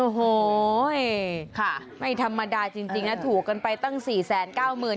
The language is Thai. โอ้โหค่ะไม่ธรรมดาจริงนะถูกกันไปตั้ง๔๙๐๐บาท